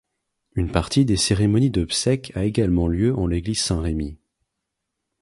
Une partie des cérémonies d'obsèques a également lieu en l'église Saint-Remi.